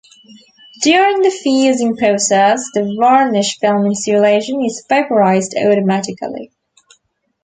During the fusing process, the varnish film insulation is vaporized automatically.